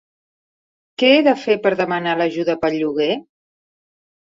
Que he de fer per demanar l'ajuda pel lloguer?